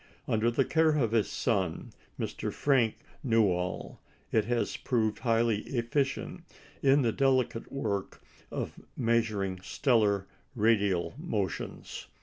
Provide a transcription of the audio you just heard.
Under the care of his son, Mr. Frank Newall, it has proved highly efficient in the delicate work of measuring stellar radial motions.